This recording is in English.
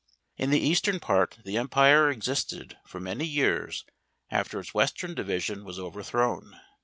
In the eastern part the empire existed for many years after its western division was overthrown.